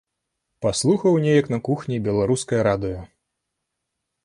Паслухаў неяк на кухні беларускае радыё.